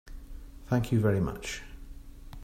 Thank you very much.